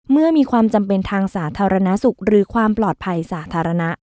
มีความจำเป็นทางสาธารณสุขหรือความปลอดภัยสาธารณะ